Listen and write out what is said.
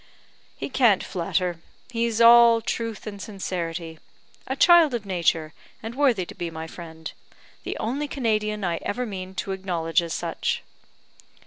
"He can't flatter. He's all truth and sincerity. A child of nature, and worthy to be my friend; the only Canadian I ever mean to acknowledge as such."